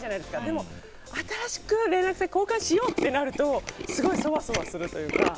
でも新しく連絡先交換しようとなるとすごいソワソワするというか。